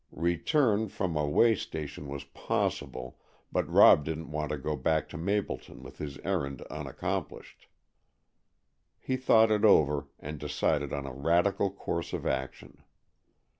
Return from a way station was possible, but Rob didn't want to go back to Mapleton with his errand unaccomplished. He thought it over, and decided on a radical course of action.